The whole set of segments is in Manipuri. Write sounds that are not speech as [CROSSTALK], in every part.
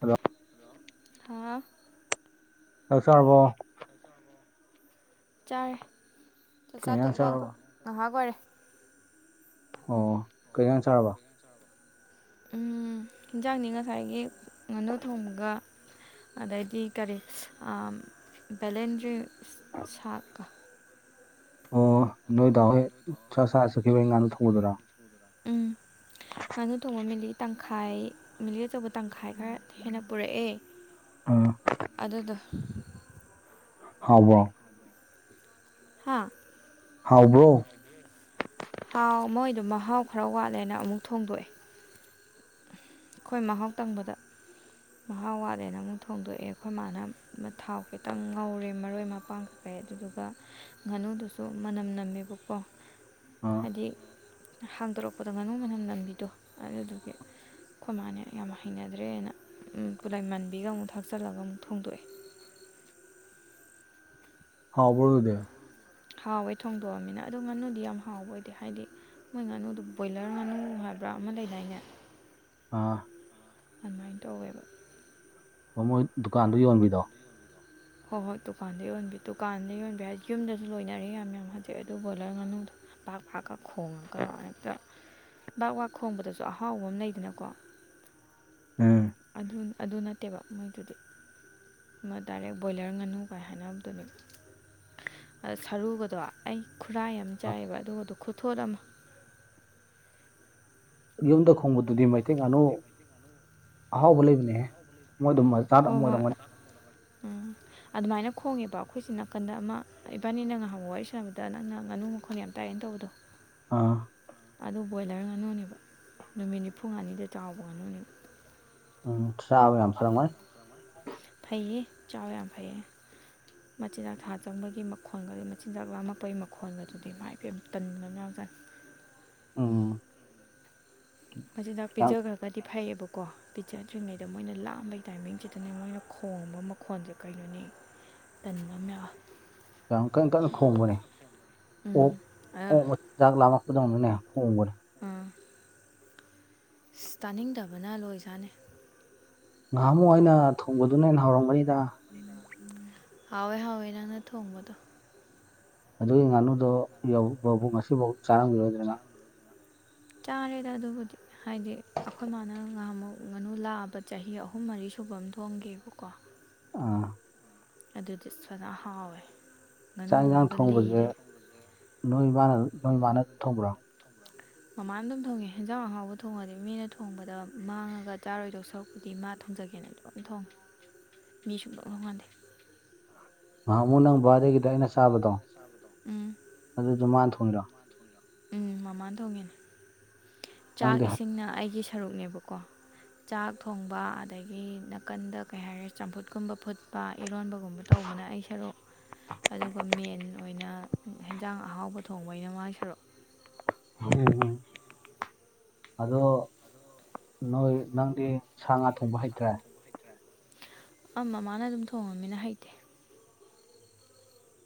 ꯍꯜꯂꯣ ꯑꯥ ꯆꯁꯨꯔꯕꯣ ꯆꯥꯔꯦ ꯀꯩ ꯆꯥ ꯏꯟꯖꯥꯡ ꯊꯣꯛꯄ ꯆꯥꯔꯕ ꯉꯥꯏꯍꯥꯛ ꯑꯣꯏꯔꯦ ꯑꯣ ꯀꯩ ꯌꯦꯟꯖꯥꯡ ꯆꯔꯕ ꯎꯝ ꯌꯦꯟꯖꯥꯡꯅꯤ ꯉꯁꯥꯏꯒꯤ ꯉꯥꯅꯨ ꯊꯣꯡꯕꯒ ꯑꯗꯩꯗꯤ ꯀꯔꯤ ꯑ ꯕꯦꯂꯦꯟꯗ꯭ꯔꯤ ꯁꯥꯇꯀ ꯑꯣ ꯅꯣꯏꯗ ꯍꯣꯏ ꯆꯠꯈꯤꯕ ꯑꯩ ꯉꯥꯗ ꯊꯧꯕꯗꯨꯣꯏꯔꯥ ꯎꯝ ꯉꯥꯅꯨ ꯊꯣꯡꯕ ꯃꯤꯂꯤ ꯇꯪꯈꯥꯏ ꯃꯤꯂꯤ ꯑꯆꯧꯕ ꯇꯪꯈꯥꯏ ꯈꯔ ꯍꯦꯟꯅ ꯄꯨꯔꯛꯑꯦ ꯑꯥ ꯑꯗꯨꯗꯣ ꯍꯥꯎꯕ꯭ꯔꯣ ꯍꯥꯥ ꯍꯥꯎꯕ꯭ꯔꯣ ꯍꯥꯎ ꯃꯣꯏꯗꯣ ꯃꯍꯥꯎ ꯈꯔ ꯋꯥꯠꯂꯦꯅ ꯑꯃꯨꯛ ꯊꯣꯡꯗꯣꯛꯑꯦ ꯑꯩꯈꯣꯏ ꯃꯍꯥꯎ ꯇꯪꯕꯗ ꯃꯍꯥꯎ ꯋꯥꯠꯂꯦꯅ ꯑꯃꯨꯛ ꯊꯣꯡꯗꯣꯛꯑꯦ ꯑꯩꯈꯣꯏ ꯃꯥꯅ ꯊꯥꯎ ꯈꯤꯇꯪ ꯉꯧꯔꯦ ꯃꯔꯣꯏ ꯃꯄꯥꯡ [UNINTELLIGIBLE] ꯑꯗꯨꯗꯨꯒ ꯉꯥꯅꯨꯗꯨꯁꯨ ꯃꯅꯝ ꯅꯝꯃꯦꯕꯀꯣ ꯑꯥ ꯍꯥꯏꯗꯤ ꯍꯥꯡꯗꯣꯔꯛꯄꯗ ꯉꯥꯅꯨ ꯃꯅꯝ ꯅꯝꯕꯤꯗꯣ ꯑꯗꯨꯗꯨꯒꯤ ꯑꯩꯈꯣꯏ ꯃꯥꯅꯦ ꯌꯥꯝ ꯍꯩꯅꯗ꯭ꯔꯦꯅ ꯎꯞ ꯄꯨꯠꯂꯥꯏ ꯃꯟꯕꯤꯒ ꯑꯃꯨꯛ ꯊꯥꯛꯆꯜꯂꯒ ꯑꯃꯨꯛ ꯊꯣꯡꯗꯣꯛꯑꯦ ꯍꯥꯎꯕ꯭ꯔꯣ ꯑꯗꯨꯗꯤ ꯍꯥꯎꯋꯦ ꯊꯣꯡꯗꯣꯛꯑꯃꯤꯅ ꯑꯗꯨ ꯉꯥꯅꯨꯗꯤ ꯌꯥꯝ ꯍꯥꯎꯕ ꯑꯣꯏꯗꯦ ꯍꯥꯏꯗꯤ ꯃꯣꯏ ꯉꯥꯅꯨꯗꯨ ꯕꯣꯏꯂꯔ ꯉꯥꯅꯨ ꯍꯥꯏꯕ꯭ꯔꯥ ꯑꯃ ꯂꯩ ꯗꯥꯏꯅꯦ ꯑꯥ ꯑꯟꯃꯥꯏꯅ ꯇꯧꯋꯦꯕ ꯑꯣ ꯃꯣꯏ ꯗꯨꯀꯥꯟꯗ ꯌꯣꯟꯕꯤꯗꯣ ꯍꯣꯏ ꯍꯣꯏ ꯗꯨꯀꯥꯟꯗ ꯌꯣꯟꯕꯤ ꯗꯨꯀꯥꯟꯗ ꯌꯣꯟꯕꯤ ꯍꯥꯏꯗꯤ ꯌꯨꯝꯗꯁꯨ ꯂꯣꯏꯅꯔꯦ ꯌꯥꯝ ꯌꯥꯝ ꯍꯧꯖꯩ ꯑꯗꯨ ꯕꯣꯂꯔ ꯉꯥꯨꯅꯨꯗꯣ ꯄꯥꯛ ꯐꯥꯛꯀ ꯈꯣꯡꯉꯒ ꯍꯦꯛꯇ ꯕꯥꯛ ꯕꯥꯛ ꯈꯣꯡꯕꯗꯁꯨ ꯑꯍꯥꯎꯕ ꯑꯃ ꯂꯩꯗꯅꯀꯣ ꯎꯝ ꯑꯗꯨꯟ ꯑꯗꯨ ꯅꯠꯇꯦꯕ ꯃꯣꯏꯗꯨꯗꯤ ꯑꯃ ꯗꯥꯏꯔꯦꯛ ꯕꯣꯏꯂꯔ ꯉꯥꯅꯨ ꯀꯥꯏ ꯍꯥꯏꯅꯕꯗꯨꯅꯦꯕ ꯑ ꯁꯔꯨꯒꯗꯣ ꯑꯩ ꯈꯨꯔꯥꯏ ꯌꯥꯝ ꯆꯥꯏꯑꯕ ꯑꯗꯨꯒꯗꯣ ꯈꯨꯊꯣꯠ ꯑꯃ ꯌꯨꯝꯗ ꯈꯣꯡꯕꯗꯨꯗꯤ ꯃꯩꯇꯩ ꯉꯥꯅꯨ ꯑꯍꯥꯎꯕ ꯂꯩꯕꯅꯦꯍꯦ ꯃꯣꯏꯗꯣ ꯃꯆꯥꯥꯗ ꯑꯃ ꯍꯣꯏ ꯍꯣꯏ ꯑꯣꯏꯔꯝꯒꯅꯤ ꯎꯝ ꯑꯗꯨꯃꯥꯏꯅ ꯈꯣꯡꯉꯦꯕ ꯑꯩꯈꯣꯏ ꯁꯤ ꯅꯥꯀꯟꯗ ꯑꯃ ꯏꯕꯥꯅꯤꯅ ꯉꯥꯏꯍꯥꯡ ꯋꯥꯔꯤ ꯁꯥꯟꯅꯕꯗ ꯅꯪꯅ ꯉꯥꯅꯨ ꯃꯈꯣꯟ ꯌꯥꯝ ꯇꯥꯏꯑꯅ ꯇꯧꯕꯗꯣ ꯑꯥ ꯑꯗꯨ ꯕꯣꯏꯂꯔ ꯉꯥꯅꯨꯅꯦꯕ ꯅꯨꯃꯤꯠ ꯅꯤꯐꯨ ꯃꯉꯥꯅꯤꯗ ꯆꯥꯎꯕ ꯉꯥꯅꯨꯅꯦꯕ ꯎꯝ ꯆꯥꯕ ꯌꯥꯝ ꯐꯔꯝꯒꯅꯤ ꯐꯩꯌꯦ ꯆꯥꯕ ꯌꯥꯝ ꯐꯩꯌꯦ ꯃꯆꯤꯟꯖꯥꯛ ꯊꯥ ꯆꯪꯕꯒꯤ ꯃꯈꯣꯟꯒꯗꯣ ꯃꯆꯤꯟꯖꯥꯛ ꯂꯥꯝꯃꯛꯄꯩ ꯃꯈꯣꯟꯒꯗꯨꯗꯤ ꯃꯥꯏ ꯄꯦꯝꯃ ꯇꯟꯕ ꯑꯃ ꯌꯥꯎꯖꯅꯤ ꯎꯝ ꯃꯆꯤꯟꯖꯥꯛ ꯌꯥꯝ ꯄꯤꯖꯈ꯭ꯔꯒꯗꯤ ꯐꯩꯌꯦꯕꯀꯣ ꯄꯤꯖꯗ꯭ꯔꯤꯉꯩꯗ ꯃꯣꯏꯅ ꯂꯥꯝꯕꯩ ꯇꯥꯏꯃꯤꯡꯁꯤꯗꯅꯦ ꯃꯣꯏꯅ ꯈꯣꯡꯕ ꯃꯈꯣꯟꯁꯦ ꯀꯩꯅꯣꯅꯤ ꯇꯟꯕ ꯑꯃ ꯌꯥꯎꯑꯦ ꯌꯥꯝ ꯀꯟꯅ ꯀꯟꯅ ꯈꯣꯡꯕꯅꯦ ꯎꯝ ꯑꯣꯛ ꯑ ꯑꯣꯛ ꯃ ꯆꯛ ꯂꯥꯝꯂꯛꯄꯗꯧꯅꯅꯦ ꯈꯣꯡꯕꯅꯦ ꯎꯝ ꯏꯁ ꯇꯥꯅꯤꯡꯗꯕꯅ ꯂꯣꯏꯖꯅꯦ ꯉꯍꯥꯃꯨꯛ ꯑꯩꯅ ꯊꯣꯡꯕꯗꯨꯅ ꯍꯦꯟꯅ ꯍꯥꯎꯔꯝꯒꯅꯤꯗ ꯍꯥꯎꯋꯦ ꯍꯥꯎꯋꯦ ꯅꯪꯅ ꯊꯣꯡꯕꯗꯣ ꯑꯗꯨꯒꯤ ꯉꯥꯅꯨꯗꯣ ꯌꯧ ꯕ ꯕꯧ ꯉꯁꯤꯐꯥꯎ ꯆꯥꯔꯝꯒꯤꯔꯣꯏꯗ꯭ꯔ ꯅꯪ ꯆꯥꯔꯦꯗ ꯑꯗꯨꯕꯨꯗꯤ ꯍꯥꯏꯗꯤ ꯑꯩꯈꯣꯏ ꯃꯥꯅ ꯉꯍꯥꯃꯨꯛ ꯉꯥꯅꯨ ꯂꯥꯕ ꯆꯍꯤ ꯑꯍꯨꯝ ꯃꯔꯤ ꯁꯨꯕ ꯑꯝ ꯊꯣꯡꯒꯤꯕꯀꯣ ꯑꯥ ꯑꯗꯨꯗꯤ ꯏꯁ ꯐꯖꯟꯅ ꯍꯥꯎꯋꯦ ꯆꯥꯛ ꯍꯤꯡꯖꯥꯡ ꯉꯥꯅꯨꯗꯨꯅꯒ ꯊꯣꯡꯕꯁꯦ ꯂꯤꯔꯦ ꯅꯣꯏ [UNINTELLIGIBLE] ꯅꯣꯏ ꯃꯅ ꯊꯣꯡꯕ꯭ꯔꯣ ꯃꯃꯥꯅ ꯑꯗꯨꯝ ꯊꯣꯡꯉꯦ ꯍꯦꯟꯖꯥꯡ ꯑꯍꯥꯎꯕ ꯊꯣꯡꯉꯗꯤ ꯃꯤꯅ ꯊꯣꯡꯕꯗ ꯃꯥꯡꯉꯒ ꯆꯥꯔꯣꯏꯗꯧ ꯁꯔꯨꯛꯄꯨꯗꯤ ꯃꯥ ꯊꯣꯡꯖꯒꯦꯅ ꯑꯗꯨ ꯑꯗꯨꯝ ꯊꯣꯡꯉꯦ ꯃꯤ ꯁꯨꯡꯊꯣꯡ ꯊꯣꯡꯉꯥꯟꯗꯦ ꯅꯍꯥꯃꯨꯛ ꯅꯪ ꯕꯥꯔꯗꯦꯒꯤꯗ ꯑꯩꯅ ꯆꯥꯕꯗꯣ ꯆꯥꯕꯗꯣ ꯎꯝ ꯑꯗꯨꯗꯣ ꯃꯥꯅ ꯊꯣꯡꯉꯤꯔꯣ ꯎꯝ ꯃꯃꯥꯅ ꯊꯣꯡꯉꯤꯅꯦ ꯆꯥꯛ ꯅꯪꯗꯤ ꯍꯩ ꯏꯁꯤꯡꯅ ꯑꯩꯒꯤ ꯁꯔꯨꯛꯅꯦꯕ ꯀꯣ ꯆꯥꯛ ꯊꯣꯡꯕ ꯑꯗꯒꯤ ꯅꯥꯀꯟꯗ ꯀꯩ ꯍꯥꯏꯔꯦ ꯆꯝꯐꯨꯠꯀꯨꯝꯕ ꯐꯨꯠ ꯄꯥ ꯏꯔꯣꯟꯕꯒꯨꯝꯕ ꯇꯧꯕꯅ ꯑꯩ ꯁꯔꯨꯛ ꯑꯗꯨꯒ ꯃꯦꯟ ꯑꯣꯏꯅ ꯍꯦꯟꯖꯥꯡ ꯑꯍꯥꯎꯕ ꯊꯣꯡꯕꯩꯅ ꯃꯥꯏ ꯁꯔꯨꯛ [INAUDIBLE] ꯑꯗꯣ ꯅꯣꯏ ꯅꯪꯗꯤ ꯁꯥ ꯉꯥ ꯊꯣꯡꯕ ꯍꯩꯇ꯭ꯔꯦ ꯑꯝ ꯃꯃꯥꯅ ꯑꯗꯨꯝ ꯊꯣꯡꯉꯃꯤꯅ ꯍꯩꯇꯦ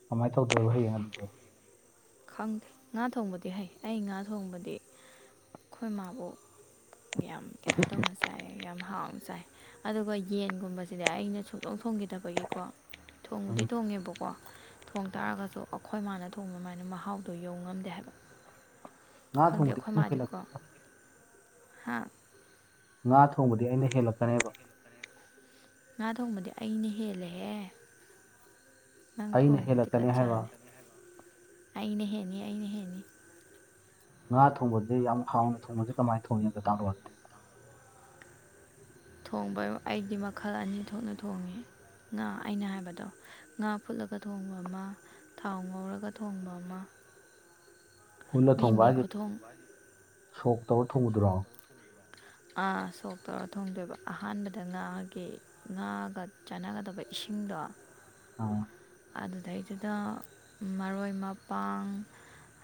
ꯀꯃꯥꯏ ꯇꯧꯗꯣꯏꯕ ꯍꯌꯦꯡ ꯑꯗꯨꯗꯤ ꯈꯪꯗꯦ ꯉꯥ ꯊꯣꯡꯕꯗꯤ ꯍꯩ ꯑꯩ ꯉꯥ ꯊꯣꯡꯕꯗꯤ ꯑꯩꯈꯣꯏ ꯃꯥꯕꯣꯛ ꯌꯥꯝ ꯀꯩꯅꯣ ꯇꯧꯅꯁꯩ ꯆꯥꯏ ꯌꯥꯝ ꯍꯥꯎꯅ ꯆꯥꯏ ꯑꯗꯨꯒ ꯌꯦꯟꯒꯨꯝꯕꯁꯤꯗꯤ ꯑꯩꯅ ꯁꯨꯡꯊꯣꯡ ꯊꯣꯡꯈꯤꯗꯕꯒꯤꯀꯣ ꯊꯣꯡꯕꯨꯗꯤ ꯎꯝ ꯊꯣꯡꯉꯦꯕꯀꯣ ꯊꯣꯡ ꯇꯔꯒꯁꯨ ꯑꯩꯈꯣꯏ ꯃꯥꯅ ꯊꯣꯡꯕꯃꯥꯏꯅ ꯃꯍꯥꯎꯗꯣ ꯌꯧ ꯉꯝꯗꯦ ꯍꯥꯏꯕ ꯉꯥ ꯈꯪꯗꯦ ꯊꯣꯡꯕꯗꯤ ꯑꯩꯈꯣꯏ ꯑꯩꯅ ꯍꯦꯜꯂꯛ ꯃꯥꯗꯤꯀꯣ ꯍꯥ ꯉꯥ ꯊꯣꯡꯕꯗꯤ ꯑꯩꯅ ꯍꯦꯜꯂꯛꯀꯅꯦꯕ ꯉꯥ ꯊꯣꯡꯕꯗꯤ ꯑꯩꯅ ꯍꯦꯜꯂꯦꯍꯦ ꯅꯪ ꯑꯩꯅ ꯊꯣꯡꯉꯤ ꯍꯦꯜꯂꯛꯀꯅꯤ ꯍꯥꯏꯕ ꯀꯠꯆꯥꯅꯤ ꯑꯩꯅ ꯍꯦꯟꯅꯤ ꯑꯩꯅ ꯍꯦꯟꯅꯤ ꯉꯥ ꯊꯣꯡꯕꯁꯦ ꯌꯥꯝ ꯍꯥꯎꯅ ꯊꯣꯡꯕꯁꯦ ꯀꯃꯥꯏ ꯊꯣꯡꯉꯅꯤ ꯑꯝꯇꯥ ꯇꯥꯛꯂꯛꯑꯣꯅꯦ ꯑꯗꯨꯗꯤ ꯊꯣꯡꯕ ꯑꯩꯗꯤ ꯃꯈꯜ ꯑꯅꯤ ꯊꯣꯛꯅ ꯊꯣꯡꯉꯦ ꯉꯥ ꯑꯩꯅ ꯍꯥꯏꯕꯗꯣ ꯉꯥ ꯐꯨꯠꯂꯒ ꯊꯣꯡꯕ ꯑꯃ ꯊꯥꯎ ꯉꯧꯔꯒ ꯊꯣꯡꯕ ꯑꯃ ꯐꯨꯠꯂꯥ ꯃꯤ ꯊꯣꯡꯕ ꯃꯤ ꯍꯥꯏꯁꯦ ꯈꯨꯊꯣꯡ ꯁꯣꯛ ꯇꯧꯔ ꯊꯣꯡꯕꯗꯨꯔꯣ ꯑꯥ ꯁꯣꯛ ꯇꯧꯔ ꯊꯣꯡꯗꯣꯏꯕ ꯑꯍꯥꯟꯕꯗ ꯉꯥꯒꯤ ꯉꯥꯒ ꯆꯥꯅꯒꯗꯕ ꯏꯁꯤꯡꯗꯣ ꯑꯥ ꯑꯗꯨꯗꯩꯗꯨꯗ ꯃꯔꯣꯏ ꯃꯄꯥꯡ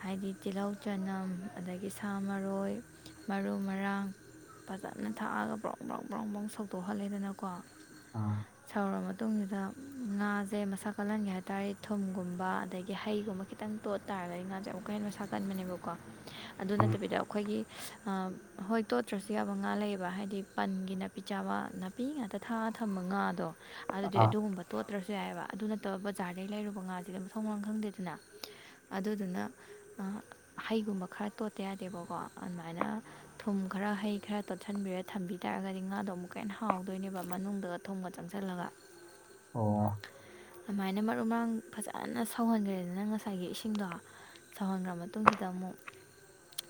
ꯍꯥꯏꯗꯤ ꯇꯤꯜꯍꯧ ꯆꯥꯅꯝ ꯑꯗꯒꯤ ꯁꯥ ꯃꯔꯣꯏ ꯃꯔꯨ ꯃꯔꯥꯡ ꯐꯖꯅ ꯊꯥꯛꯑꯒ ꯕ꯭ꯔꯣꯡ ꯕ꯭ꯔꯣꯡ ꯕ꯭ꯔꯣꯡ ꯕ꯭ꯔꯣꯡ ꯁꯧꯗꯣꯛꯍꯜꯂꯦꯗꯅꯀꯣ ꯑꯥ ꯁꯧꯔꯥ ꯃꯇꯨꯡꯁꯤꯗ ꯉꯥꯁꯦ ꯃꯁꯛ ꯀꯜꯍꯟꯒꯦ ꯍꯥꯏꯇꯥꯔꯗꯤ ꯊꯨꯝꯒꯨꯝꯕ ꯑꯗꯒꯤ ꯍꯩꯒꯨꯝꯕ ꯈꯤꯇꯪ ꯇꯣꯠ ꯇꯥꯔꯒꯗꯤ ꯉꯥꯁꯦ ꯑꯃꯨꯛꯀꯥ ꯍꯦꯟꯅ ꯃꯁꯥꯀꯟꯕꯅꯦꯕꯀꯣ ꯑꯗꯨ ꯅꯠꯇꯕꯤꯗ ꯑꯩꯈꯣꯏꯒꯤ ꯑꯥ ꯍꯣꯏ ꯇꯣꯠꯇ꯭ꯔꯁꯨ ꯌꯥꯕ ꯉꯥ ꯂꯩꯌꯦꯕ ꯍꯥꯏꯗꯤ ꯄꯟꯒꯤ ꯅꯥꯄꯤ ꯆꯥꯕ ꯅꯥꯄꯤ ꯉꯥꯛꯇ ꯊꯥꯛꯑꯥ ꯊꯝꯕ ꯉꯥꯗꯣ ꯑꯗꯨꯗꯤ ꯑꯥ ꯑꯗꯨꯒꯨꯝꯕ ꯇꯣꯠꯇ꯭ꯔꯁꯨ ꯌꯥꯏꯕ ꯑꯗꯨꯅꯠ ꯇ ꯕꯖꯥꯔꯗꯩ ꯂꯩꯔꯨꯕ ꯉꯥꯁꯤꯗꯤ ꯃꯥꯊꯣꯡ ꯃꯔꯝ ꯈꯪꯗꯦꯗꯅ ꯑꯗꯨꯗꯨꯅ ꯑꯥ ꯍꯩꯒꯨꯝꯕ ꯈꯔ ꯇꯣꯠꯇ ꯌꯥꯗꯦꯕꯀꯣ ꯑꯗꯨꯃꯥꯏꯅ ꯊꯨꯝ ꯈꯔ ꯍꯩ ꯈꯔ ꯇꯣꯠꯁꯤꯟꯕꯤꯔ ꯊꯝꯕꯤ ꯇꯥꯔꯒꯗꯤ ꯉꯥꯗꯣ ꯑꯃꯨꯛꯀ ꯍꯦꯟꯅ ꯍꯥꯎꯗꯣꯏꯅꯦꯕ ꯃꯅꯨꯡꯗ ꯊꯨꯝꯒ ꯆꯪꯁꯜꯂꯥꯒ ꯑꯣ ꯑꯃꯥꯏꯅ ꯃꯔꯨ ꯃꯔꯥꯡ ꯐꯖꯅ ꯁꯧꯍꯟꯈ꯭ꯔꯦꯗꯅ ꯉꯁꯥꯏꯒꯤ ꯏꯁꯤꯡꯗꯣ ꯁꯧꯍꯟꯒ꯭ꯔ ꯃꯇꯨꯡꯁꯤꯗ ꯑꯃꯨꯛ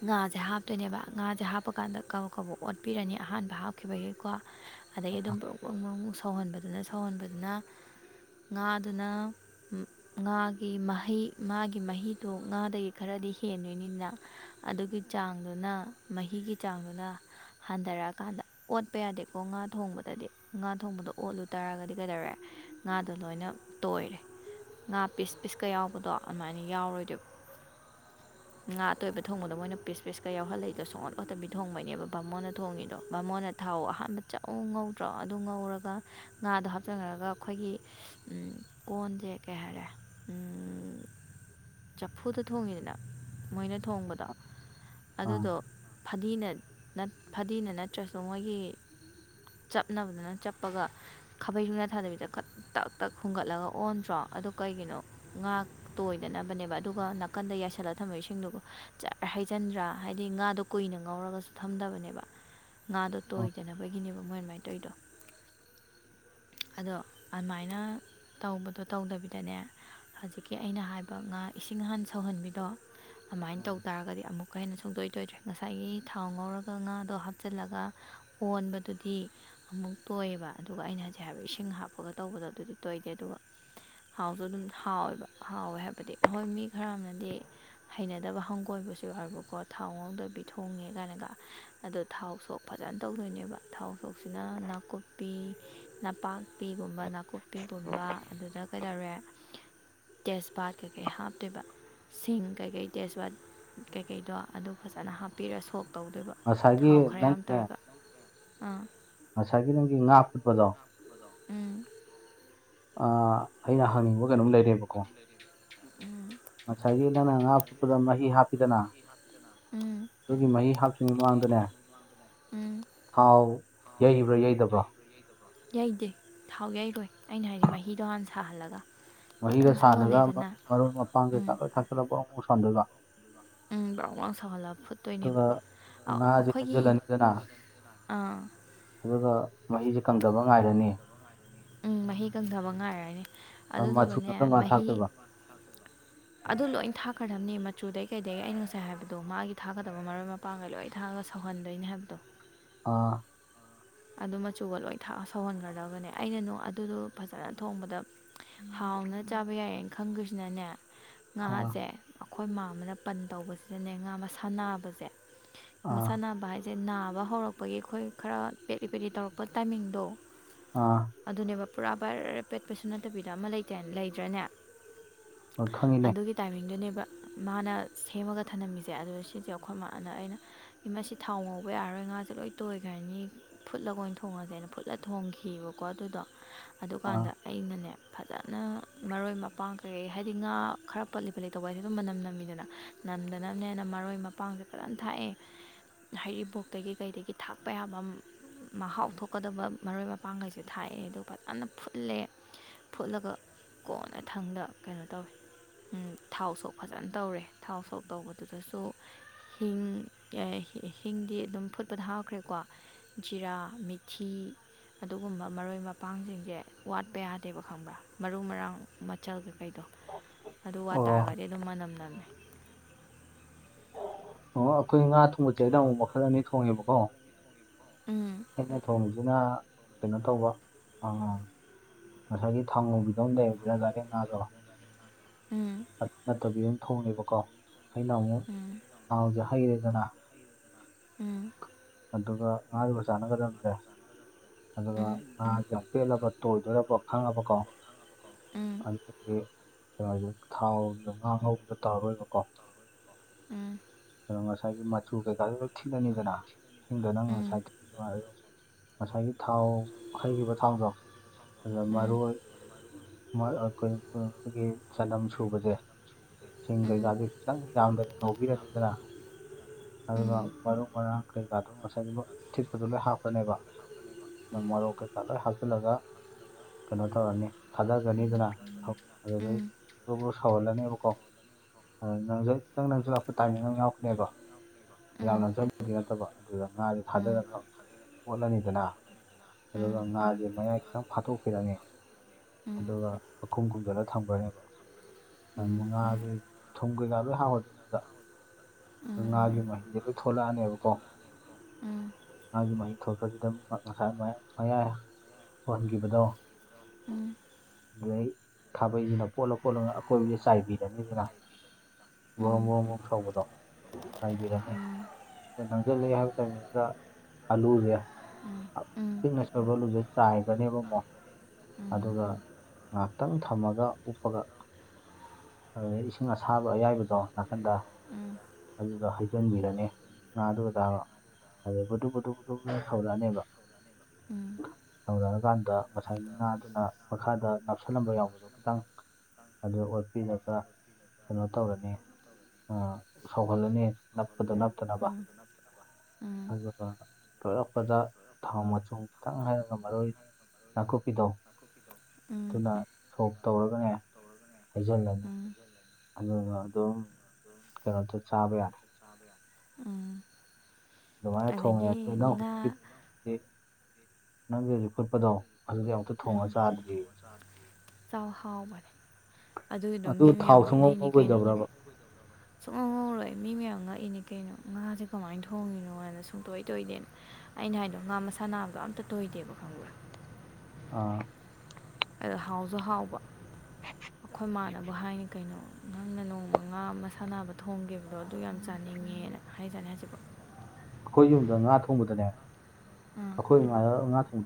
ꯉꯥꯁꯦ ꯍꯥꯞꯇꯣꯏꯅꯦꯕ ꯉꯥꯁꯦ ꯍꯥꯞꯄ ꯀꯥꯟꯗ ꯀꯕꯛ ꯀꯕꯛ ꯑꯣꯠꯄꯤꯔꯅꯤ ꯑꯍꯥꯟꯕ ꯍꯥꯞꯈꯤꯕꯒꯤꯀꯣ [UNINTELLIGIBLE] ꯑꯗꯒꯤ ꯑꯗꯨꯝ ꯕ꯭ꯔꯣꯡ ꯕ꯭ꯔꯣꯡ ꯕ꯭ꯔꯣꯡ ꯁꯧꯍꯟꯕꯗꯨꯅ ꯁꯧꯍꯟꯕꯗꯨꯅ ꯉꯥꯗꯨꯅ ꯉꯥꯒꯤ ꯃꯍꯩ ꯃꯥꯒꯤ ꯃꯍꯤꯗꯣ ꯉꯥꯗꯒꯤ ꯈꯔꯗꯤ ꯍꯦꯟꯗꯣꯏꯅꯤꯅ ꯑꯗꯨꯒꯤ ꯆꯥꯡꯗꯨꯅ ꯃꯍꯤꯒꯤ ꯆꯥꯡꯗꯨꯅ ꯍꯟꯗꯔꯛꯑꯀꯥꯟꯗ ꯑꯣꯠꯄ ꯌꯥꯗꯦꯀꯣ ꯉꯥ ꯊꯣꯡꯕꯗꯗꯤ ꯉꯥ ꯊꯣꯡꯕꯗꯣ ꯑꯣꯠꯂꯨ ꯇꯥꯔꯒꯗꯤ ꯀꯩꯗꯧꯔꯦ ꯑꯗꯨ ꯂꯣꯏꯅ ꯇꯣꯏꯔꯦ ꯉꯥ ꯄꯤꯁ ꯄꯤꯁꯀꯥ ꯌꯥꯎꯕꯗꯣ ꯑꯗꯨꯃꯥꯏꯅ ꯌꯥꯎꯔꯣꯏꯗꯣꯏꯕ [UNINTELLIGIBLE] ꯉꯥ ꯑꯇꯣꯏꯕ ꯊꯣꯡꯕꯗꯣ ꯃꯣꯏꯅ ꯄꯤꯁ ꯄꯤꯁꯀꯥ ꯌꯥꯎꯍꯂꯏꯗꯣ ꯁꯣꯡꯑꯣꯠ ꯑꯣꯇꯥꯕꯤ ꯊꯣꯡꯕꯩꯅꯦꯕ ꯕꯥꯃꯣꯅ ꯊꯣꯡꯉꯤꯗꯣ ꯕꯥꯥꯃꯣꯅ ꯊꯥꯎ ꯑꯍꯥꯟꯕ ꯆꯝꯨ ꯉꯧꯗ꯭ꯔꯣ ꯑꯗꯨ ꯉꯧꯔꯒ ꯉꯥꯗꯣ ꯍꯥꯞꯆꯟꯅꯔꯒ ꯑꯩꯈꯣꯏꯒꯤ ꯎꯝ ꯀꯣꯟꯁꯦ ꯀꯩ ꯍꯥꯏꯔꯦ ꯎꯝ ꯆꯐꯨꯗ ꯊꯣꯡꯉꯤꯗꯅ ꯃꯣꯏꯅ ꯊꯣꯡꯕꯗꯣ ꯑꯥ ꯑꯗꯨꯗꯣ ꯐꯗꯤꯅ ꯐꯗꯤꯅ ꯅꯠꯇ꯭ꯔꯁꯨ ꯃꯣꯏꯒꯤ ꯆꯞꯅꯕꯗꯅ ꯆꯞꯄꯒ ꯈꯥꯕꯩ ꯁꯨꯡꯅ ꯊꯥꯗꯕꯤꯗ ꯇꯛ ꯇꯛ ꯍꯨꯝꯒꯠꯂꯒ ꯑꯣꯟꯗ꯭ꯔꯣ ꯑꯗꯨ ꯀꯩꯒꯤꯅꯣ ꯉꯥꯛꯇꯣꯏꯗꯅꯕꯅꯦꯕ ꯑꯗꯨꯒ ꯅꯥꯀꯟꯗ ꯌꯥꯏꯁꯜꯂꯒ ꯊꯝꯃꯣꯏꯁꯤꯡꯗꯨꯕꯨ ꯍꯩꯖꯟꯗ꯭ꯔꯥ ꯍꯥꯏꯗꯤ ꯉꯥꯗꯣ ꯀꯨꯏꯅ ꯉꯧꯔꯒꯁꯨ ꯊꯝꯗꯕꯅꯦꯕ ꯉꯥꯗꯣ ꯎꯝ ꯇꯣꯏꯗꯅꯕꯒꯤꯅꯦꯕ ꯃꯣꯏꯃꯥꯏꯅ ꯇꯧꯗꯣ ꯑꯗꯣ ꯑꯗꯨꯃꯥꯏꯅ ꯇꯧꯕꯗꯣ ꯇꯧꯗꯕꯤꯗꯅꯦ ꯍꯧꯖꯤꯛꯀꯤ ꯑꯩꯅ ꯍꯥꯏꯕ ꯉꯥ ꯏꯁꯤꯡ ꯍꯍꯥꯟ ꯁꯧꯍꯟꯕꯤꯗꯣ ꯑꯗꯨꯃꯥꯏꯅ ꯇꯧ ꯎꯝ ꯇꯥꯔꯒꯗꯤ ꯑꯃꯨꯛꯀ ꯍꯦꯟꯅ ꯁꯨꯡꯗꯣꯏ꯭ꯔꯦ ꯉꯁꯥꯏꯒꯤ ꯊꯥꯎ ꯉꯧꯔꯒ ꯉꯥꯗꯣ ꯍꯥꯞꯆꯤꯜꯂꯒ ꯑꯣꯣꯟꯕꯗꯨꯗꯤ ꯑꯃꯨꯛ ꯇꯣꯏꯑꯕ ꯑꯗꯨꯒ ꯑꯩꯅ ꯍꯧꯖꯤꯛ ꯍꯥꯏꯕꯗꯤ ꯏꯁꯤꯡ ꯍꯥꯞꯄꯒ ꯇꯧꯕꯗꯣ ꯑꯗꯨꯗꯤ ꯇꯣꯏꯗꯦ ꯑꯗꯨꯒ ꯍꯥꯎꯁꯨ ꯑꯗꯨꯝ ꯍꯥꯎꯋꯦꯕ ꯍꯥꯎꯋꯦ ꯍꯥꯏꯕꯗꯤ ꯑꯩꯈꯣꯏ ꯃꯤ ꯈꯔ ꯑꯃꯅꯗꯤ ꯍꯩꯅꯗꯕ ꯍꯪꯒꯣꯏꯕꯁꯨ ꯌꯥꯎꯕꯀꯣ ꯊꯥꯎ ꯉꯧꯗꯕꯤ ꯊꯣꯡꯉꯦ ꯀꯥꯏꯅꯒ ꯑꯗꯣ ꯊꯥꯎ ꯁꯣꯛ ꯐꯖꯅ ꯇꯧꯗꯣꯏꯅꯦꯕ ꯊꯥꯎ ꯁꯣꯛꯁꯤꯅ ꯅꯥꯀꯨꯞꯄꯤ ꯅꯄꯥꯛꯄꯤ ꯒꯕ ꯅꯥꯀꯨꯞꯄꯤꯒꯨꯝꯕ ꯑꯗꯨꯗ ꯀꯩꯗꯧꯔꯦ ꯇꯦꯖꯄꯥꯠ ꯀꯩꯀꯩ ꯍꯥꯞꯇꯣꯏꯕ ꯁꯤꯡ ꯀꯩꯀꯩ ꯇꯦꯖꯋꯥꯠ ꯀꯩꯀꯩꯗꯣ ꯑꯗꯨ ꯐꯖꯅ ꯍꯥꯞꯄꯤꯔꯒ ꯁꯣꯛ ꯇꯧꯗꯣꯏꯕ ꯉꯁꯥꯏꯒꯤ ꯊꯥꯎ ꯈꯔ ꯌꯥꯝ ꯅꯪꯠꯇꯅꯦ ꯇꯧꯔꯒ ꯑꯥ ꯉꯁꯥꯏꯒꯤ ꯅꯪꯒꯤ ꯉꯥ ꯐꯨꯠꯄꯗꯣ ꯎꯝ ꯑ ꯑꯩꯅ ꯍꯪꯅꯤꯡꯕ ꯀꯩꯅꯣꯝ ꯂꯩꯔꯦꯕꯀꯣ ꯎꯝ ꯉꯁꯥꯏꯒꯤ ꯅꯪꯅ ꯉꯥ ꯐꯨꯠꯄꯗ ꯃꯍꯤ ꯍꯥꯞꯄꯤꯗꯅ ꯎꯝ ꯑꯗꯨꯒꯤ ꯃꯍꯤ ꯍꯥꯞꯇ꯭ꯔꯤꯉꯩ ꯃꯃꯥꯡꯗꯅꯦ ꯎꯝ ꯊꯥꯎ ꯌꯩꯕ꯭ꯔꯥ ꯌꯩꯗꯕ꯭ꯔꯣ ꯌꯥꯩꯗꯦ ꯊꯥꯎ ꯌꯥꯩꯔꯣꯏ ꯑꯩꯅ ꯍꯥꯏꯁꯦ ꯃꯍꯤꯗꯣ ꯍꯥꯟꯅ ꯁꯥꯍꯜꯂꯒ ꯃꯍꯤꯗ ꯐꯖꯅ ꯁꯥꯥꯟꯔꯒ ꯁꯧꯍꯜꯂꯦꯗꯅ ꯃꯔꯣꯏ ꯃꯄꯥꯡ ꯎꯝ ꯀꯩꯀꯥꯂꯣꯏ ꯊꯥꯀꯠꯂꯒ ꯄꯣꯔꯣꯛ ꯑꯃꯧꯛ ꯁꯣꯟꯗꯒ ꯎꯝ ꯃ ꯁꯂ ꯐꯨ ꯇꯣꯏꯅꯦꯕ ꯑꯗꯨꯒ ꯉꯥꯁꯦ ꯑꯩꯈꯣꯏꯒꯤ ꯍꯩꯖꯤꯜꯂꯅꯤꯗꯅ ꯑꯥ ꯑꯗꯨꯒ ꯃꯍꯁꯤ ꯀꯪꯗꯕ ꯉꯥꯏꯔꯅꯤ ꯎꯝ ꯃꯍꯤ ꯀꯪꯊꯕ ꯉꯥꯏꯔꯅꯦ ꯑ, ꯃꯆꯨꯅ ꯑꯗꯨꯗꯨꯒꯅꯦ ꯀꯔꯝ ꯀꯥꯟ ꯃꯍꯤ ꯊꯥꯛꯇꯣꯏꯕ ꯑꯗꯨ ꯂꯣꯏꯅ ꯊꯥꯛꯀꯗꯕꯅꯤ ꯃꯆꯨꯗꯩ ꯀꯩꯗꯒꯤ ꯑꯩ ꯉꯁꯥꯏ ꯍꯥꯏꯕꯗꯣ ꯃꯥꯒꯤ ꯊꯥꯒꯗꯕ ꯃꯔꯣꯏ ꯃꯄꯥꯡꯒꯩ ꯂꯣꯏ ꯊꯥꯡꯉꯒ ꯁꯧꯍꯟꯗꯣꯏꯅꯤ ꯍꯥꯏꯕꯗꯣ ꯑꯥ ꯑꯗꯨ ꯃꯆꯨꯒ ꯂꯣꯏ ꯁꯧꯍꯟꯒꯗꯕꯅꯦ ꯑꯩꯅ ꯅꯨ ꯑꯗꯨꯗꯣ ꯐꯖꯅ ꯊꯣꯡꯕꯗ ꯍꯥꯎꯅ ꯆꯥꯕ ꯌꯥꯏꯌꯦꯅ ꯈꯪꯗꯣꯏꯁꯤꯅꯅꯦ ꯑꯥ ꯉꯥꯁꯦ ꯑꯩꯈꯣꯏ ꯃꯥ ꯑꯃꯅ ꯄꯟ ꯇꯧꯕꯁꯤꯗꯅꯦ ꯉꯥ ꯃꯁꯥꯟꯕꯁꯦ ꯑꯥ ꯃꯁꯥ ꯅꯥꯕ ꯍꯥꯏꯁꯦ ꯅꯥꯕ ꯍꯧꯔꯛꯄꯒꯤ ꯑꯩꯈꯣꯏ ꯈꯔ ꯄꯦꯠꯂꯤ ꯄꯦꯠꯂꯤ ꯇꯧꯔꯛꯄ ꯇꯥꯏꯃꯤꯡꯗꯣ ꯑꯥ ꯑꯗꯨꯅꯦꯕ ꯄꯨꯔꯥ ꯕ꯭ꯔ ꯄꯦꯠꯄꯁꯨ ꯅꯠꯇꯕꯤꯗ ꯑꯃ ꯂꯩꯇꯥꯏ ꯂꯩꯗ꯭ꯔꯅꯦ ꯍꯣꯏ, ꯈꯪꯉꯤꯅꯦ ꯑꯗꯨꯒꯤ ꯇꯥꯏꯃꯤꯡꯗꯨꯅꯦꯕ ꯃꯥꯅ ꯁꯦꯝꯃꯒ ꯊꯅꯝꯃꯤꯁꯦ ꯑꯗꯨ ꯁꯤꯁꯦ ꯑꯩꯈꯣꯏꯃꯥꯅ ꯑꯩꯅ ꯃꯁꯤ ꯊꯥꯎ ꯉꯧꯕ ꯌꯥꯔꯔꯣꯏ ꯉꯥꯁꯦ ꯂꯣꯏ ꯇꯣꯏꯈ꯭ꯔꯅꯤ ꯐꯨꯠꯂꯒꯣꯏ ꯑꯣꯏꯅ ꯊꯣꯡꯉꯁꯦꯅ ꯐꯨꯠꯂ ꯊꯣꯡꯑꯈꯤꯕꯀꯣ ꯑꯗꯨꯗꯣ ꯑꯥ ꯑꯗꯨꯀꯥꯟꯗ ꯑꯩꯅꯅꯦ ꯐꯖꯅ ꯃꯔꯣꯏ ꯃꯄꯥꯡ ꯀꯩꯀꯩ ꯍꯥꯏꯗꯤ ꯉꯥ ꯈꯔ ꯄꯠꯂꯤ ꯄꯠꯂꯤ ꯇꯧꯕꯏꯁꯦ ꯑꯗꯨꯝ ꯃꯅꯝ ꯅꯝꯃꯤꯗꯅ ꯅꯝꯗꯅꯕꯅꯦꯅ ꯃꯔꯣꯏ ꯃꯄꯥꯡꯁꯦ ꯐꯖꯅ ꯊꯥꯛꯑꯦ ꯍꯩꯔꯤꯕꯣꯛꯇꯒꯤ ꯀꯩꯗꯒꯤ ꯊꯥꯛꯄ ꯌꯥꯕꯝ ꯃꯍꯥꯎ ꯊꯣꯛꯀꯗꯕ ꯃꯔꯣꯏ ꯃꯄꯥꯡꯈꯩꯁꯦ ꯊꯥꯛꯑꯦ ꯑꯗꯨ ꯐꯖꯅ ꯐꯨꯠꯂꯦ ꯐꯨꯠꯂꯒ ꯀꯣꯟꯅ ꯊꯪꯅ ꯀꯩꯅꯣ ꯇꯧꯋꯦ ꯍꯝ ꯊꯥꯎ ꯁꯣꯛ ꯐꯖꯅ ꯇꯧꯔꯦ ꯊꯥꯎ ꯁꯣꯛ ꯇꯧꯕꯗꯨꯗꯁꯨ ꯍꯤꯡ ꯍꯤꯡꯗꯤ ꯑꯗꯨꯝ ꯐꯨꯠꯄꯗ ꯍꯥꯥꯞꯈ꯭ꯔꯦꯀꯣ ꯖꯤꯔꯥ ꯃꯤꯊꯤ ꯑꯗꯨꯒꯨꯝꯕ ꯃꯔꯣꯏ ꯃꯄꯥꯡꯁꯤꯡꯁꯦ ꯋꯥꯠꯄ ꯌꯥꯗꯦꯕ ꯈꯪꯕ꯭ꯔꯥ ꯃꯔꯨ ꯃꯔꯥꯡ ꯃꯆꯜ ꯀꯩ ꯀꯩ ꯑꯗꯣ ꯑꯗꯨ ꯋꯥ ꯑꯣ ꯇꯥꯔꯒꯗꯤ ꯑꯗꯨꯝ ꯃꯅꯝ ꯅꯝꯃꯦ ꯑꯣ ꯑꯩꯈꯣꯏ ꯉꯥ ꯊꯣꯡꯕꯆꯏꯗ ꯑꯃꯨꯛ ꯃꯈꯜ ꯑꯅꯤ ꯊꯣꯡꯉꯦꯕꯀꯣ ꯎꯝ ꯑꯩꯅ ꯊꯣꯡꯁꯤꯅ ꯀꯩꯅꯣ ꯇꯧꯕ ꯑ ꯉꯁꯥꯏꯒꯤ ꯊꯥꯡꯉꯧꯕꯤꯗꯨ ꯑꯃ ꯂꯩꯔꯅꯤꯗꯅ ꯗꯥꯔꯦꯛ ꯉꯥꯗꫭ ꯎꯝ ꯑꯗꯨ ꯅꯠꯇꯕꯤ ꯑꯃ ꯊꯣꯡꯅꯦꯕꯀꯣ ꯑꯩꯅ ꯑꯃꯨꯛ ꯎꯝ ꯍꯥꯎꯗꯨ ꯍꯩꯔꯦꯗꯅ ꯎꯝ ꯑꯗꯨꯒ ꯉꯥꯗꯨꯒ ꯆꯥꯟꯅꯒꯗꯕꯁꯦ ꯑꯗꯨꯒ ꯎꯝ ꯉꯥꯒ ꯄꯦꯠꯂꯕ ꯇꯣꯏꯗꯧꯔꯕ ꯈꯪꯉꯕꯀꯣ ꯎꯝ ꯑꯗꯨꯗꯤ ꯀꯩꯅꯣ ꯍꯥꯏꯁꯦ ꯊꯥꯎꯗ ꯉꯥ ꯉꯧꯕꯗ ꯇꯥꯔꯣꯏꯕꯀꯣ ꯎꯝ ꯑ ꯉꯁꯥꯏꯒꯤ ꯃꯆꯨ ꯀꯩꯀꯥꯗꯨꯗ ꯊꯤꯠꯂꯅꯤꯗꯅ ꯏꯁꯤꯡꯗ ꯅꯪ ꯎꯝ ꯉꯁꯥꯏ ꯉꯁꯥꯏꯒꯤ ꯊꯥꯎ ꯍꯩꯈꯤꯕ ꯊꯥꯎꯗꯣ ꯑꯗꯨꯗ ꯃꯔꯣꯏ ꯃꯥ ꯑꯥ ꯀꯩꯅꫭ ꯑꯥ ꯑꯩꯈꯣꯏꯒꯤ ꯆꯗꯝ ꯁꯨꯕꯁꯦ ꯆꯤꯡ ꯀꯩꯀꯥꯗꯨ ꯈꯤꯇꯪ ꯌꯥꯝꯗꯕꯤ ꯉꯧꯕꯤꯔꯅꯤꯗꯅ ꯑꯗꯨꯒ ꯃꯔꯨ ꯃꯔꯥꯡ ꯀꯩꯀꯥꯗꯣ ꯉꯁꯥꯏꯒꯤ ꯊꯤꯛꯄꯗꯨ ꯂꯣꯏ ꯍꯥꯞꯈ꯭ꯔꯅꯦꯕ ꯃꯔꯣꯛ ꯀꯩꯀꯥ ꯂꯣꯏ ꯍꯥꯞꯆꯤꯜꯂꯒ ꯀꯩꯅꯣ ꯇꯧꯔꯅꯤ ꯊꯥꯗꯒꯅꯤꯗꯅ ꯑꯗꯨꯗꯩ ꯕꯨꯔꯨ ꯕꯨꯔꯨ ꯁꯥꯎꯍꯜꯂꯅꯦꯕꯀꯣ ꯅꯪꯖꯜ ꯈꯤꯇꯪ ꯅꯪꯖꯜꯂꯥꯛꯄ ꯇꯥꯏꯃꯤꯡ ꯑꯃ ꯌꯥꯎꯔꯀꯅꯦꯕ ꯌꯥꯝ ꯅꯪꯖꯜ ꯐꯠꯇꯕ ꯑꯗꯨꯗ ꯉꯥꯗꯤ ꯊꯥꯗꯔꯒ ꯑꯣꯠꯂꯅꯤꯗꯅ ꯑꯗꯨꯒ ꯉꯥꯖꯦ ꯃꯌꯥꯏ ꯈꯤꯇꯪ ꯐꯥꯠꯇꯣꯛꯄꯤꯔꯅꯤ ꯑꯗꯨꯒ ꯄꯈꯨꯝ ꯈꯨꯝꯖꯤꯜꯂ ꯊꯝꯈ꯭ꯔꯅꯦꯕ ꯀꯉꯥꯔ [UNINTELLIGIBLE] ꯊꯨꯝ ꯀꯩꯀꯥ ꯂꯣꯏ ꯍꯥꯞꯔꯅꯤꯗ ꯉꯥꯒꯤ ꯃꯍꯤꯗ ꯂꯣꯏ ꯊꯣꯛꯂꯛꯑꯅꯦꯕꯀꯣ ꯃꯥꯒꯤ ꯃꯍꯤ ꯊꯣꯄꯗꯨꯗ ꯑꯃꯨ ꯉꯁꯥꯏ ꯑꯗꯨꯃꯥꯏ ꯃꯌꯥꯏ ꯍꯍꯟꯈꯤꯕꯗꯣ ꯎꯝ ꯑꯗꯨꯗꯩ ꯈꯥꯕꯩꯁꯤꯅ ꯀꫭꯠꯂ ꯀꯣꯠꯂꯒ ꯑꯀꯣꯏꯕꯁ ꯆꯥꯏꯕꯤ ꯔꯅꯤ ꯗꯅ ꯕꫭꯔꫭꯡ ꯕꫭꯔꫭꯡ ꯃꯔꫭꯡ ꯁꯧꯕꯗꯣ ꯆꯥꯏꯕꯤꯔꯅꯤ ꯖꯜꯂꯤ ꯍꯥꯏꯕ ꯇꯥꯏꯃꯤꯡꯗꯨꯗ ꯑꯂꯨꯖꯦ ꯄꯤꯛꯅ ꯁꫭꯏꯕ ꯑꯂꯨꯁꯦ ꯆꯥꯏꯒ꯭ꯔꯅꯦꯕ ꯑꯃꯣ ꯑꯗꯨꯒ ꯉꯥꯏꯍꯥꯛꯇꯪ ꯊꯝꯃꯒ ꯎꯞꯄꯒ ꯑꯗꯨꯗ ꯏꯁꯤꯡ ꯑꯁꯥꯕ ꯑꯌꯥꯏꯕꯗꯣ ꯅꯥꯀꯟꯗ ꯎꯝ ꯑꯗꯨꯗ ꯍꯩꯖꯟꯕꯤꯔꯅꯤ ꯉꯥ ꯑꯗꯨꯗꯒ ꯑꯗꯩ ꯕꯨꯗꯨꯛ ꯕꯨꯗꯨꯛ ꯕꯨꯗꯨꯛ ꯁꯧꯔꯛꯑꯅꯦꯕ ꯁꯧꯔꯛꯑꯀꯥꯟꯗ ꯉꯁꯥꯏꯒꯤ ꯉꯥꯗꯨꯅ ꯃꯈꯥꯗ ꯅꯞꯁꯜꯂꯝꯕ ꯌꯥꯎꯕꯗꯣ ꯈꯤꯇꯪ ꯑꯗꯨ ꯑꯣꯠ ꯄꯤꯔꯒ ꯀꯩꯅꯣ ꯇꯧꯔꯅꯤ ꯑꯥ ꯁꯧꯍꯜꯂꯅꯤ ꯑꯗꯒꯤ ꯅꯞꯄꯗꯨ ꯅꯞ ꯉꯥ ꯆꯥꯛꯍꯥꯎꯕ ꯇꯅꯕ ꯑꯗꯨꯒꯤꯗꯣ ꯑꯗꯨ ꯇꯣꯏꯔꯛꯄꯗ ꯊꯥꯎ ꯃꯆꯨꯝ ꯈꯤꯇꯪ ꯍꯩꯔꯒ ꯃꯔꯣꯏ ꯅꯥꯀꯨꯞꯄꯤꯗꯣ ꯑꯗꯨꯅ ꯁꯣꯛ ꯇꯧꯔꯒꯅꯦ ꯍꯩꯖꯜꯂ [UNINTELLIGIBLE] ꯑꯗꯨꯒ ꯑꯗꯨꯝ ꯀꯩꯅꯣ ꯇꯧ ꯆꯥꯕ ꯌꯥꯔꯦ ꯎꯝ ꯑꯗꯨꯃꯥꯏ ꯊꯣꯡꯉꯦ [UNINTELLIGIBLE] ꯅꯪꯒꯤ ꯍꯧꯖꯤꯛ ꯐꯨꯠꯄꯗꯣ ꯑꯗꯨꯗꯤ ꯑꯃꯨꯛꯇ ꯊꯣꯡꯉ ꯆꯥꯗ꯭ꯔꯤ ꯆꯥꯎ ꯍꯥꯎꯕꯅꯦ ꯑꯗꯨ ꯊꯥꯎ ꯁꯨꯡꯉꯧ ꯀꯩꯅꯣ ꯉꯧꯔꯣꯏꯗꯕꯔꯥꯕ ꯁꯨꯡꯉꯧ ꯉꯧꯔꯣꯏ ꯃꯤ ꯃꯌꯥꯝ ꯉꯛꯏꯅꯤ ꯀꯩꯅꯣ ꯉꯥꯖꯦ ꯀꯃꯥꯏꯟ ꯊꯣꯡꯉꯤꯅꯣ ꯑꯅ ꯁꯨꯡꯇꯣꯏ ꯇꯣꯏꯗꯦꯅ ꯑꯩꯅ ꯍꯥꯏꯗꯣ ꯉꯥ ꯃꯁꯥ ꯅꯥꯕꯗꯣ ꯑꯝꯇ ꯇꯣꯏꯗꯦꯕ ꯈꯪꯕꯔꯥ ꯑ ꯑꯗ ꯍꯥꯎꯖꯨ ꯍꯥꯎꯕ ꯑꯈꯣꯏꯃꯥꯟꯅꯕꯣ ꯍꯥꯏꯅꯤ ꯀꯩꯅꯣ ꯅꯪꯅ ꯅꯣꯡꯃ ꯉꯥ ꯃꯁꯥ ꯅꯥꯕ ꯊꯣꯡꯒꯤꯕꯗꯣ ꯑꯗꯨ ꯌꯥꯝ ꯆꯥꯅꯤꯡꯉꯦꯅ ꯍꯥꯏꯖꯥꯅꯤ ꯍꯧꯖꯤꯛꯐꯥꯎ ꯑꯈꯣꯏ ꯌꯨꯝꯗ ꯉꯥ ꯊꯣꯡꯕꯗꯅꯦ ꯎꯝ ꯑꯩꯈꯣꯏ ꯏꯃꯥ ꯅ ꯉꯥ ꯊꯣꯡ